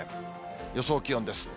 予想気温です。